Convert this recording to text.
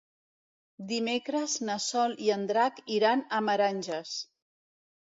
Dimecres na Sol i en Drac iran a Meranges.